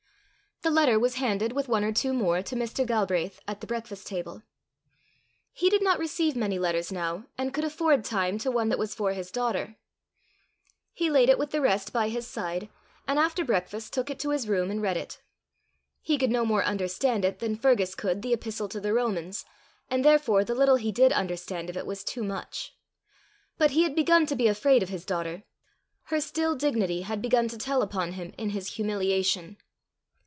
The letter was handed, with one or two more, to Mr. Galbraith, at the breakfast table. He did not receive many letters now, and could afford time to one that was for his daughter. He laid it with the rest by his side, and after breakfast took it to his room and read it. He could no more understand it than Fergus could the Epistle to the Romans, and therefore the little he did understand of it was too much. But he had begun to be afraid of his daughter: her still dignity had begun to tell upon him in his humiliation.